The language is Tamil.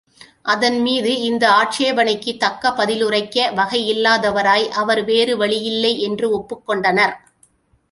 அதன்மீது இந்த ஆட்சேபணைக்குத் தக்க பதிலுரைக்க வகையில்லாதவராய், அவர் வேறு வழியில்லை என்று ஒப்புக்கொண்டனர்.